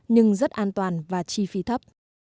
nhưng rất an toàn và chi phí thấp